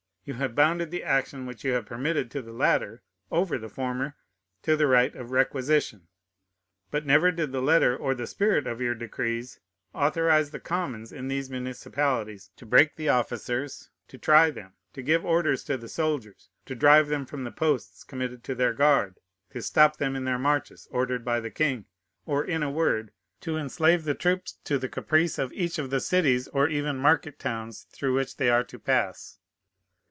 You have bounded the action which you have permitted to the latter over the former to the right of requisition; but never did the letter or the spirit of your decrees authorize the commons in these municipalities to break the officers, to try them, to give orders to the soldiers, to drive them from the posts committed to their guard, to stop them in their marches ordered by the king, or, in a word, to enslave the troops to the caprice of each of the cities or even market towns through which they are to pass."